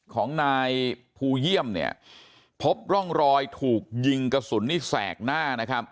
ของนายภูเยี่ยมเนี่ยพบร่องรอยถูกยิงกระสุนนี่แสกหน้านะครับ